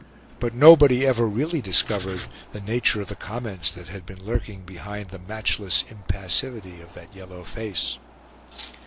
But nobody ever really discovered the nature of the comments that had been lurking behind the matchless impassivity of that yellow face.